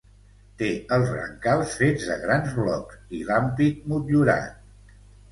Té els brancals fets de grans blocs i l'ampit motllurat.